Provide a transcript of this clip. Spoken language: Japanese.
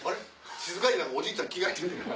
静かに何かおじいちゃん着替えてんねんけど。